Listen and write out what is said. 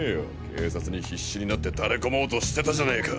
警察に必死になって垂れ込もうとしてたじゃねえか。